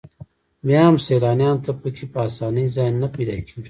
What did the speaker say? بیا هم سیلانیانو ته په کې په اسانۍ ځای نه پیدا کېږي.